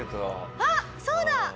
あっそうだ！